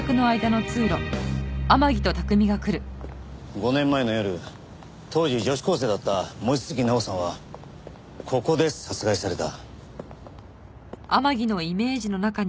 ５年前の夜当時女子高生だった望月奈緒さんはここで殺害された。